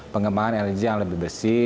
pengembangan energi yang lebih bersih